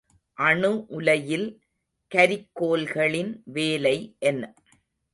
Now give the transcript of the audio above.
அணு உலையில் கரிக்கோல்களின் வேலை என்ன?